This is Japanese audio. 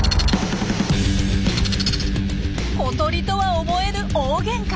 小鳥とは思えぬ大げんか。